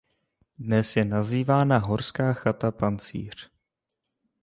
Dnes je nazývána "Horská chata Pancíř".